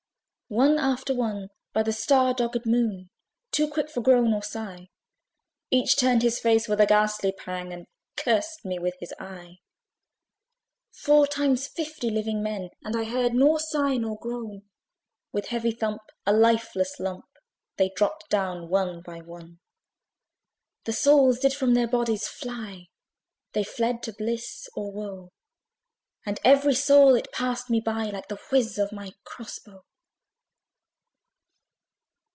One after one, by the star dogged Moon Too quick for groan or sigh, Each turned his face with a ghastly pang, And cursed me with his eye. Four times fifty living men, (And I heard nor sigh nor groan) With heavy thump, a lifeless lump, They dropped down one by one. The souls did from their bodies fly, They fled to bliss or woe! And every soul, it passed me by, Like the whizz of my CROSS BOW!